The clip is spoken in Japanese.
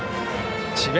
智弁